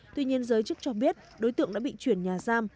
tuy nhiên giới chức cho biết đối tượng đã bị chuyển nhà giam